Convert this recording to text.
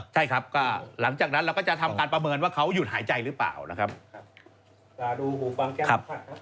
ใช่ครับก็หลังจากนั้นเราก็จะทำการประเมินว่าเขาหยุดหายใจหรือเปล่านะครับ